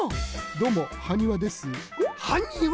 どうもハニワですハニワ！？